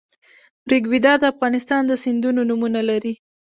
ریګویډا د افغانستان د سیندونو نومونه لري